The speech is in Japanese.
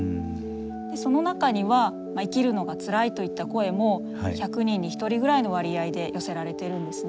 でその中には「生きるのがつらい」といった声も１００人に１人ぐらいの割合で寄せられてるんですね。